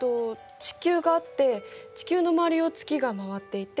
地球があって地球の周りを月が回っていて。